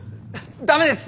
ダメです！